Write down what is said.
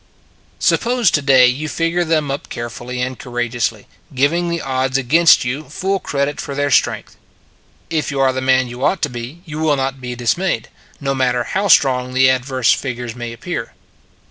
Suppose to day you figure them up care fully and courageously, giving the odds against you full credit for their strength. If you are the man you ought to be, you will not be dismayed, no matter how strong the adverse figures may appear.